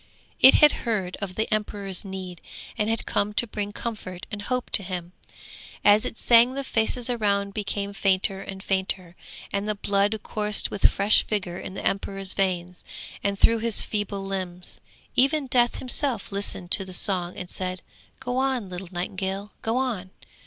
It had heard of the emperor's need, and had come to bring comfort and hope to him. As it sang the faces round became fainter and fainter, and the blood coursed with fresh vigour in the emperor's veins and through his feeble limbs. Even Death himself listened to the song and said, 'Go on, little nightingale, go on!'